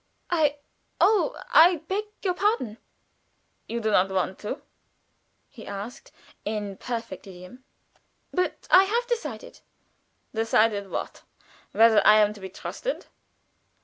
"I oh, I beg your pardon!" "You do not want to," he answered, in imperfect idiom. "But have you decided?" "Decided what?" "Whether I am to be trusted?"